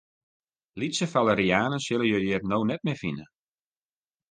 Lytse falerianen sille je hjir no net mear fine.